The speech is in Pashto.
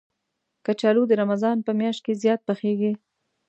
کچالو د رمضان په میاشت کې زیات پخېږي